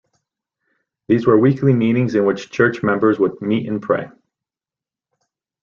These were weekly meetings in which church members would meet and pray.